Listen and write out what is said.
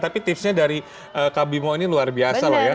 tapi tipsnya dari kak bimo ini luar biasa loh ya